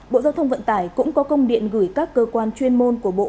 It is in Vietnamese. bộ giao thông vận tải cũng có công điện gửi các cơ quan chuyên môn của bộ